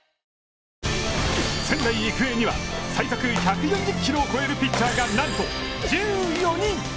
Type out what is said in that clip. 仙台育英には最速１４０キロを超えるピッチャーが、なんと１４人！